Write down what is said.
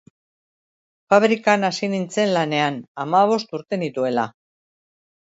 Fabrikan hasi nintzen lanean, hamabost urte nituela.